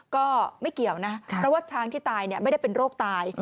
ก็ไม่เกี่ยวนะเพราะว่าช้างที่ตายไม่ได้เป็นโรคตาย